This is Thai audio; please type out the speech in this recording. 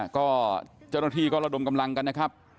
ก็เจ้าหน้าที่ก็ระดมกำลังกันนะครับ